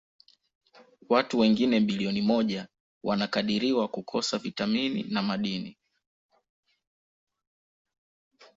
Watu wengine bilioni moja wanakadiriwa kukosa vitamini na madini.